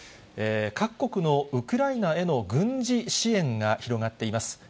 各国のウクライナへの軍事支援が広がっています。